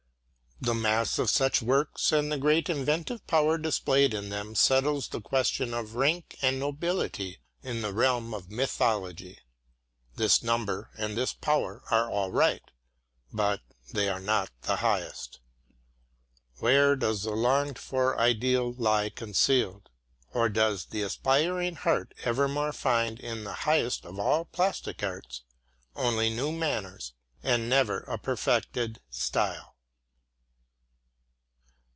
The mass of such works and the great inventive power displayed in them settles the question of rank and nobility in the realm of mythology. This number and this power are all right, but they are not the highest. Where does the longed for ideal lie concealed? Or does the aspiring heart evermore find in the highest of all plastic arts only new manners and never a perfected style?